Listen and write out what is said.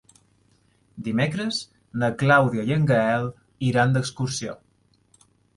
Dimecres na Clàudia i en Gaël iran d'excursió.